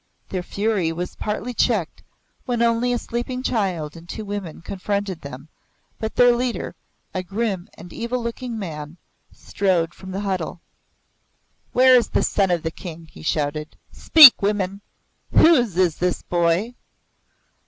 Their fury was partly checked when only a sleeping child and two women confronted them, but their leader, a grim and evil looking man, strode from the huddle. "Where is the son of the King?" he shouted. "Speak, women! Whose is this boy?"